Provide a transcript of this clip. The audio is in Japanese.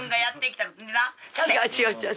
違う違う違う。